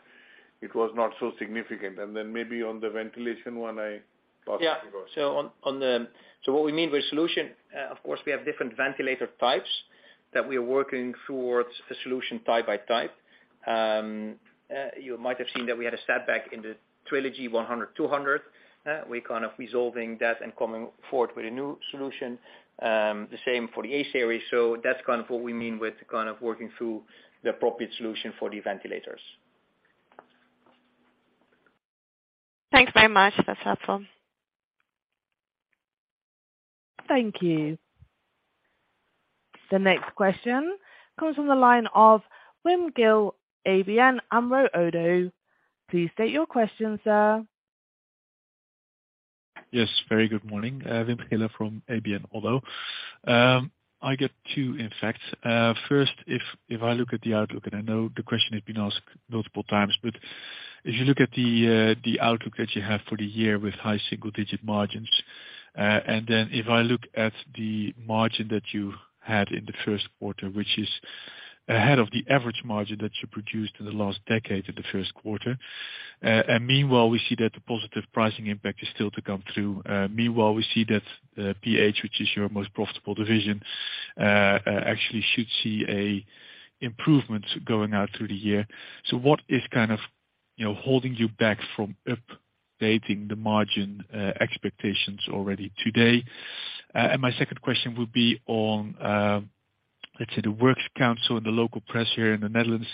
it was not so significant. Maybe on the ventilation one, Roy. What we mean by solution, of course we have different ventilator types that we are working towards a solution type by type. You might have seen that we had a setback in the Trilogy100/200. We're kind of resolving that and coming forward with a new solution. The same for the A-Series. That's kind of what we mean with kind of working through the appropriate solution for the ventilators. Thanks very much. That's helpful. Thank you. The next question comes from the line of Wim Gille, ABN AMRO ODDO. Please state your question, sir. Yes. Very good morning. Wim Gille from ABN AMRO. I got 2, in fact. First, if I look at the outlook, I know the question has been asked multiple times, but if you look at the outlook that you have for the year with high single-digit margins, then if I look at the margin that you had in the first quarter, which is ahead of the average margin that you produced in the last decade in the first quarter, meanwhile, we see that the positive pricing impact is still to come through. Meanwhile, we see that PH, which is your most profitable division, actually should see a improvement going out through the year. What is kind of, you know, holding you back from updating the margin expectations already today? My second question would be on, let's say the works council and the local press here in the Netherlands,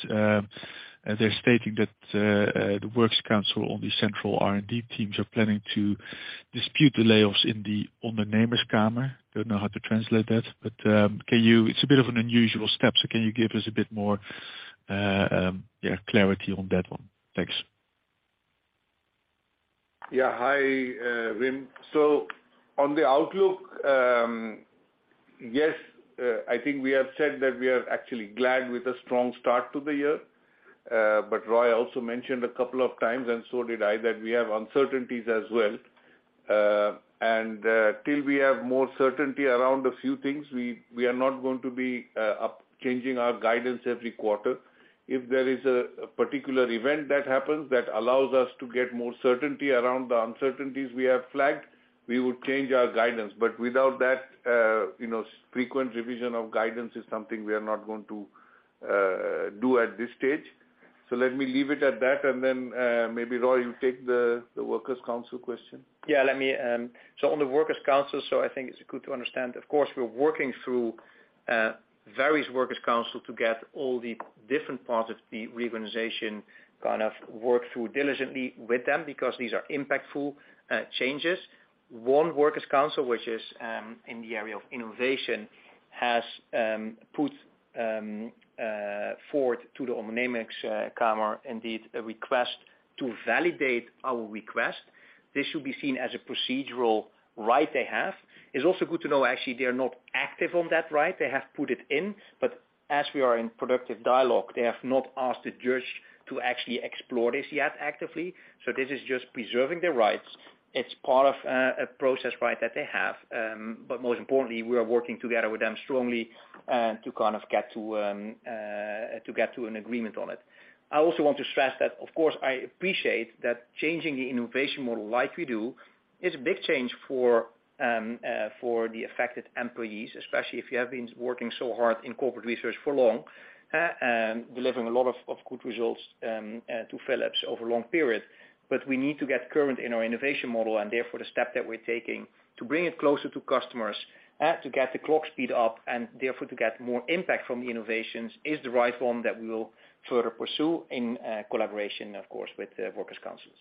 they're stating that the works council on the central R&D teams are planning to dispute the layoffs in the Ondernemingskamer. Don't know how to translate that, but it's a bit of an unusual step, so can you give us a bit more, yeah, clarity on that one? Thanks. Yeah. Hi, Wim. On the outlook, yes, I think we have said that we are actually glad with a strong start to the year. Roy also mentioned a couple of times, and so did I, that we have uncertainties as well. Till we have more certainty around a few things, we are not going to be up changing our guidance every quarter. If there is a particular event that happens that allows us to get more certainty around the uncertainties we have flagged, we would change our guidance. Without that, you know, frequent revision of guidance is something we are not going to do at this stage. Let me leave it at that and then, maybe, Roy, you take the workers' council question. Let me. On the workers' council, I think it's good to understand, of course, we're working through various workers' council to get all the different parts of the reorganization kind of worked through diligently with them because these are impactful changes. One workers' council, which is in the area of innovation, has put forward to the Ondernemingskamer indeed a request to validate our request. This should be seen as a procedural right they have. It's also good to know, actually, they are not active on that right. They have put it in, as we are in productive dialogue, they have not asked the judge to actually explore this yet actively. This is just preserving their rights. It's part of a process right that they have. Most importantly, we are working together with them strongly, to kind of get to an agreement on it. I also want to stress that, of course, I appreciate that changing the innovation model like we do is a big change for the affected employees, especially if you have been working so hard in corporate research for long, delivering a lot of good results to Philips over a long period. We need to get current in our innovation model, and therefore the step that we're taking to bring it closer to customers, to get the clock speed up, and therefore to get more impact from the innovations, is the right one that we will further pursue in collaboration, of course, with the workers' councils.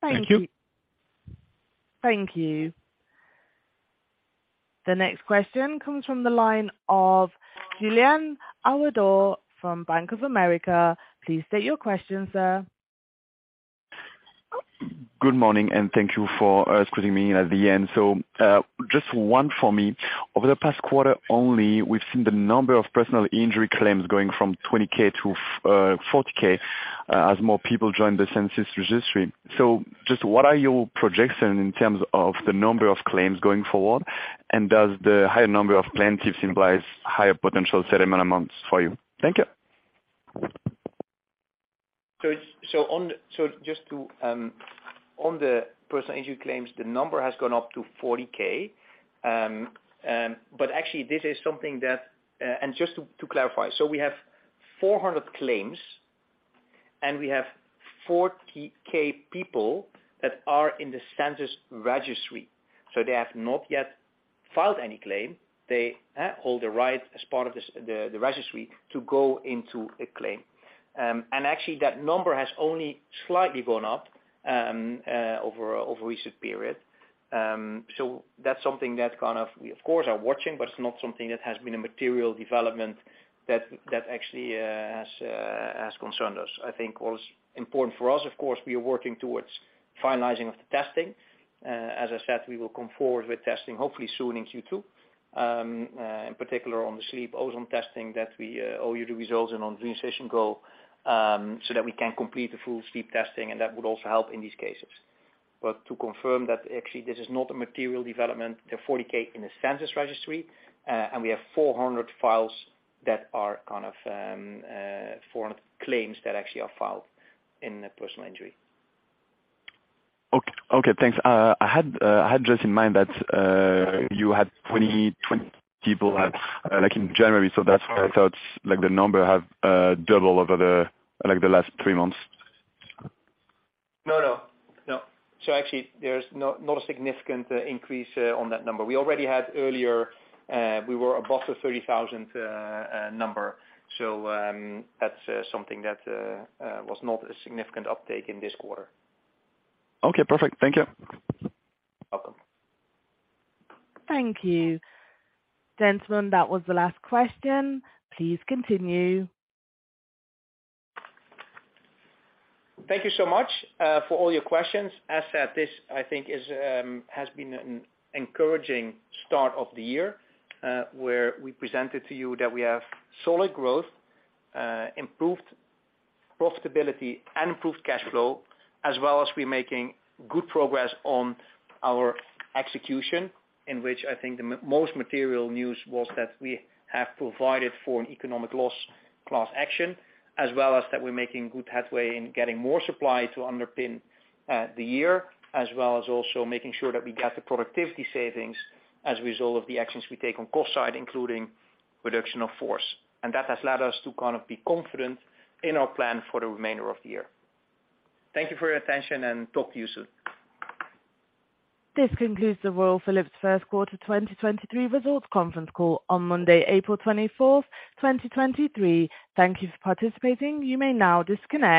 Thank you. Thank you. Thank you. The next question comes from the line of Julien Ouaddour from Bank of America. Please state your question, sir. Good morning, and thank you for squeezing me in at the end. Just one for me. Over the past quarter only, we've seen the number of personal injury claims going from 20K to 40K, as more people join the census registry. Just what are your projections in terms of the number of claims going forward? Does the higher number of plaintiffs implies higher potential settlement amounts for you? Thank you. On the personal injury claims, the number has gone up to 40K. Actually this is something that, and just to clarify. We have 400 claims, and we have 40K people that are in the census registry. They have not yet filed any claim. They hold the right as part of this, the registry to go into a claim. Actually that number has only slightly gone up over recent period. That's something that kind of we, of course, are watching, but it's not something that has been a material development that actually has concerned us. I think what's important for us, of course, we are working towards finalizing of the testing. As I said, we will come forward with testing hopefully soon in Q2. In particular on the sleep ozone testing that we owe you the results and on the Alice NightOne, so that we can complete the full sleep testing, and that would also help in these cases. To confirm that actually this is not a material development. There are 40K in the census registry, and we have 400 claims that actually are filed in personal injury. Okay. Thanks. I had just in mind that you had 20 people at like in January. That's why I thought like the number have double over the like the last three months. No, no. No. Actually there's no, not a significant increase on that number. We already had earlier, we were above the 30,000 number. That's something that was not a significant update in this quarter. Okay, perfect. Thank you. Welcome. Thank you. Gentlemen, that was the last question. Please continue. Thank you so much for all your questions. As said, this, I think, is has been an encouraging start of the year, where we presented to you that we have solid growth, improved profitability and improved cash flow, as well as we're making good progress on our execution, in which I think the most material news was that we have provided for an economic loss class action, as well as that we're making good headway in getting more supply to underpin the year, as well as also making sure that we get the productivity savings as a result of the actions we take on cost side, including reduction of force. That has led us to kind of be confident in our plan for the remainder of the year. Thank you for your attention, and talk to you soon. This concludes the Royal Philips first quarter 2023 results conference call on Monday, April twenty-fourth, 2023. Thank you for participating. You may now disconnect.